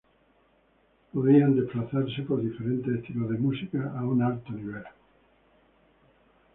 Podían desplazarse por diferentes estilos de música a un alto nivel.